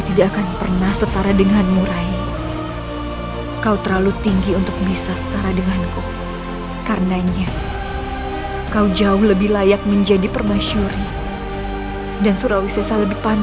ternyata sih kalian masih hidup